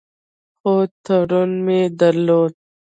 خو ترونه مې درلودل.